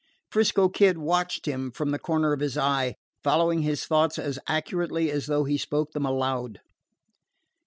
'Frisco Kid watched him from the corner of his eye, following his thoughts as accurately as though he spoke them aloud.